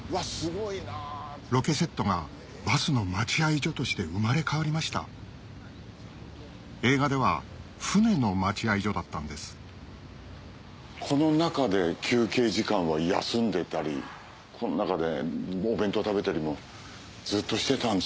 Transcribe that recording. ロケセットがバスの待合所として生まれ変わりました映画では船の待合所だったんですこの中で休憩時間は休んでたりこの中でお弁当食べたりもずっとしてたんですよね。